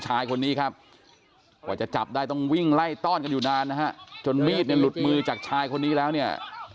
ชายคนนี้คุณที่จับได้วิ่งไล่ต้อนอยู่นานนะฮะจนมีดหลุดมือจากชายคนนี้แล้วเนี่ย